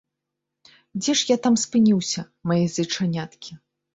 Дзе ж я там спыніўся, мае зайчаняткі?